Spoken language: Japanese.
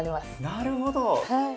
なるほど。